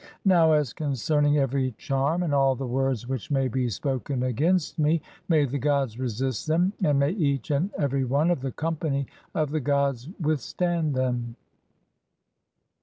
Now as concerning every charm and all the words which "may be spoken against me, (6) may the gods resist them, and "may each and every one of the company of the gods with stand them."